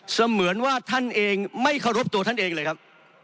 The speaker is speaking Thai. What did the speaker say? เสมือนว่าท่านเองไม่เคารพตัวท่านเองเลยครับ